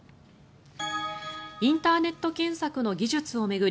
インターネット検索の技術を巡り